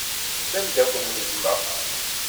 D ameddakel n gma.